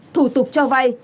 thủ tục cho vay